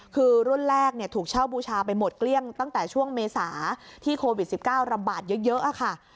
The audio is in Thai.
คือรุ่นแรกถูกเช่าบูชาไปหมดเกลี้ยงตั้งแต่ช่วงเมษาที่โควิด๑๙ระบาดเยอะค่ะ